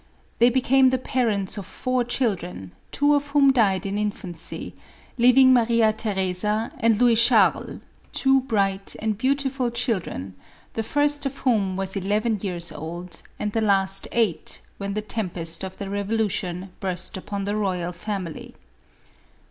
They became the parents of four children, two of whom died in infancy, leaving Maria Theresa and Louis Charley two bright and beautiful children, the first of whom was eleven years old and the last eight, when the tem pest of the Revolution burst upon the royal family.